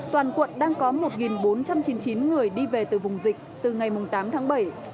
toàn quận đang có một bốn trăm chín mươi chín người đi về từ vùng dịch từ ngày tám tháng bảy